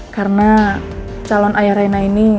karena calon ayah reina ini